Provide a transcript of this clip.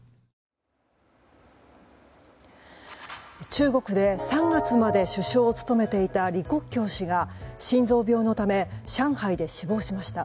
中国で３月まで首相を務めていた李克強氏が心臓病のため上海で死亡しました。